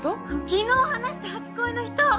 昨日話した初恋の人！